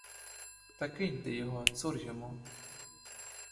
Та киньте його, цур йому!